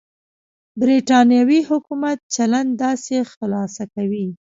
برېټانوي حکومت چلند داسې خلاصه کوي.